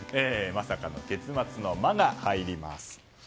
まさかの結末の「マ」が入ります。